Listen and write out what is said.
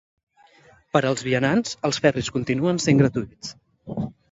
Per als vianants, els ferris continuen sent gratuïts.